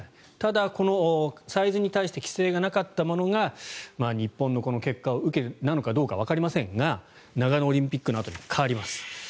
ただ、サイズに対して規制がなかったものが日本の結果を受けてなのかどうかわかりませんが長野オリンピックのあとに変わります。